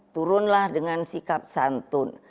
turunlah dengan sikap santun